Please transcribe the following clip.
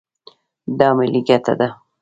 دا ملي ګټه ده.